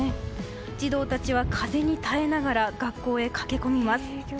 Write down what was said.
児童たちは風に耐えながら学校へ駆け込みます。